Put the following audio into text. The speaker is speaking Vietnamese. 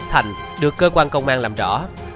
thành được cơ quan công an làm rõ